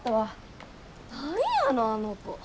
何やのあの子。